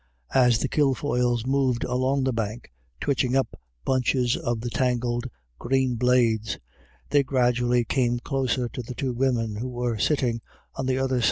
As the Kilfoyles moved along the bank, twitching up bunches of the tangled green blades, they gradually came closer to the two women who were sitting on the other 152 IRISH IDYLLS.